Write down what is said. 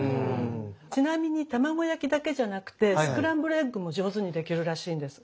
ちなみに卵焼きだけじゃなくてスクランブルエッグも上手にできるらしいんです。